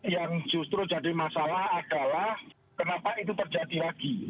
yang justru jadi masalah adalah kenapa itu terjadi lagi